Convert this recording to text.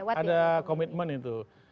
emang ada komitmen itu